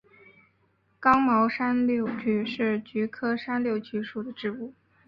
刚毛山柳菊是菊科山柳菊属的植物。